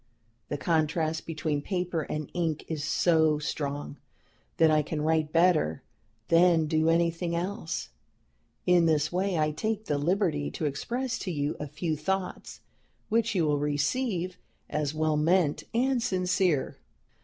The contrast between paper and ink is so strong, that I can write better than do anything else. In this way I take the liberty to express to you a few thoughts, which you will receive as well meant and sincere....